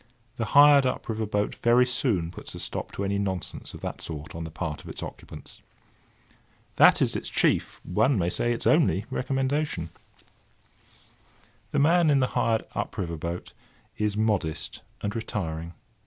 The hired up river boat very soon puts a stop to any nonsense of that sort on the part of its occupants. That is its chief—one may say, its only recommendation. [Picture: Dog] The man in the hired up river boat is modest and retiring.